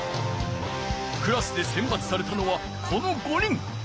クラスで選ばつされたのはこの５人。